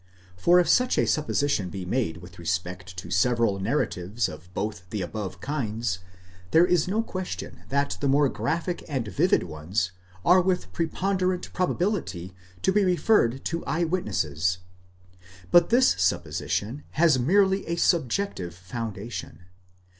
For if such a supposition be made with respect to several narratives of both the above kinds, there is no question that the more graphic and vivid ones are with preponderant probability to be re ferred to eye witnesses. But this supposition has merely a subjective founda tion.